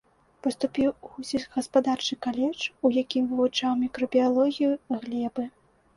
Паступіў у сельскагаспадарчы каледж, у якім вывучаў мікрабіялогію глебы.